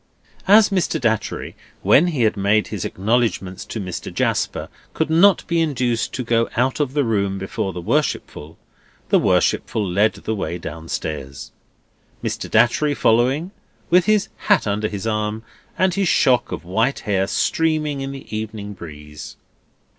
As Mr. Datchery, when he had made his acknowledgments to Mr. Jasper, could not be induced to go out of the room before the Worshipful, the Worshipful led the way down stairs; Mr. Datchery following with his hat under his arm, and his shock of white hair streaming in the evening breeze.